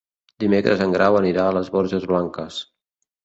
Dimecres en Grau anirà a les Borges Blanques.